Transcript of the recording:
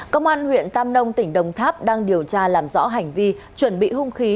công an huyện tam nông tỉnh đồng tháp đang điều tra làm rõ hành vi chuẩn bị hung khí